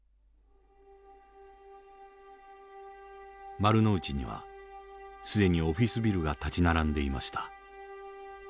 丸の内には既にオフィスビルが立ち並んでいました。